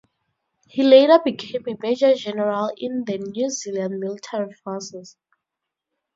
He later became a major general in the New Zealand Military Forces.